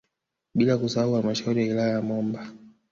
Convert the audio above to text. Bila kusahau halmashauri ya wilaya ya Momba